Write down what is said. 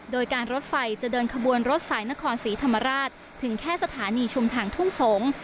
โดยการรถไฟจะเดินขบวนรถสายนครศรีธรรมราชถึงแค่สถานีชุมทางทุ่งสงศ์